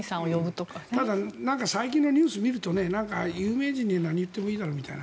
最近のニュースを見ると有名人に何を言ってもいいだろうとか。